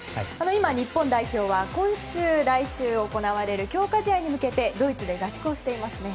今、日本代表は今週、来週行われる強化試合に向けてドイツで合宿をしていますね。